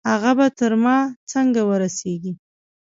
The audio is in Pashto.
هغه به تر ما څنګه ورسېږي؟